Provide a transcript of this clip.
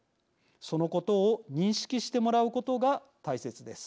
そのことを認識してもらうことが大切です。